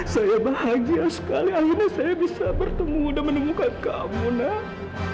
saya bahagia sekali akhirnya saya bisa bertemu dan menemukan kamu nak